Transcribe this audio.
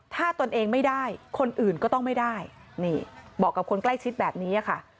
ถ้าตนเองไม่ได้คนอื่นก็ต้องไม่ได้นี่บอกกับคนใกล้ชิดแบบนี้ค่ะ